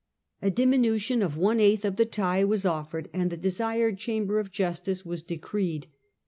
A diminution of one eighth of the taille was offered, and the desired Chamber of Justice was decreed.